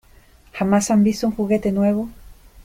¿ Jamás han visto un juguete nuevo?